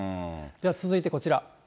では続いてこちら。